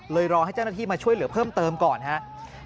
รอให้เจ้าหน้าที่มาช่วยเหลือเพิ่มเติมก่อนครับ